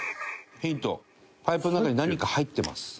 「ヒント」「パイプの中に何か入ってます」